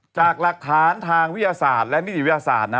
จากหลักฐานทางวิทยาศาสตร์และนิติวิทยาศาสตร์